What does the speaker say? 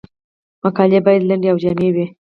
مقالې باید لنډې او جامع وي.